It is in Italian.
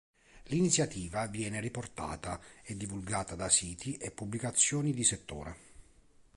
L'iniziativa viene riportata e divulgata da siti e pubblicazioni di settore.